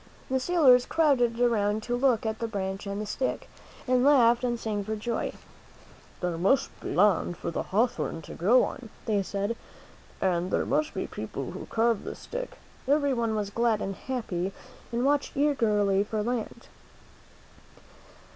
The sailors crowded around to look at the branch and the stick, and laughed and sang for joy. "There must be land for the hawthorn to grow on," they said, "and there must be people who carved this stick." Everyone was glad and happy and watched eagerly for land.